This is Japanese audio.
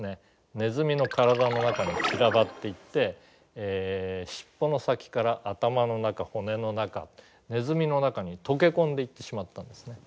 ネズミの体の中に散らばっていって尻尾の先から頭の中骨の中ネズミの中に溶け込んでいってしまったんですね。